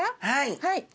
はい。